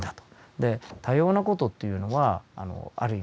で多様な事っていうのはある意味